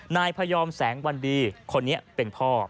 นายพยอมแสงวันดีคนนี้เป็นพ่อ